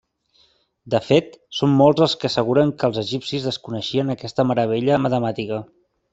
De fet, són molts els que asseguren que els egipcis desconeixien aquesta meravella matemàtica.